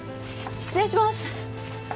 失礼します！